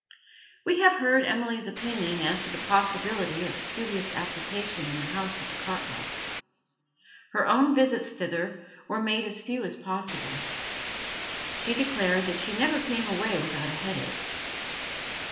We have heard Emily's opinion as to the possibility of studious application in the house of the Cartwrights. Her own visits thither were made as few as possible; she declared that she never came away without a headache.